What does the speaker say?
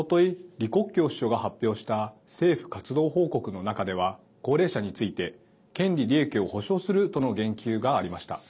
李克強首相が発表した政府活動報告の中では高齢者について権利、利益を保障するとの言及がありました。